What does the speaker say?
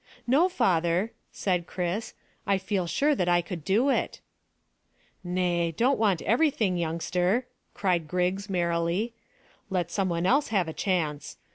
"No, father," said Chris; "I feel sure that I could do it." "Nay, don't want everything, youngster," cried Griggs merrily; "let some one else have a chance.